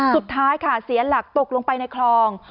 สุดท้ายค่ะเสียหลักตกลงไปในคลอง